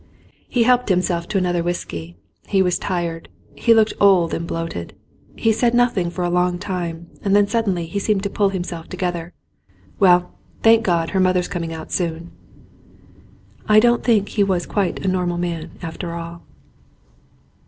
He helped himself to another whisky. He waa tired. He looked old and bloated. He said nothing for a long time, and then suddenly he seemed to pull himself together. "Well, thank God, her mother's coming out soon." I don't think he was quite a normal man after all.